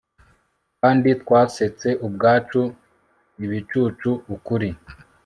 kandi twasetse ubwacu ibicucu, ukuri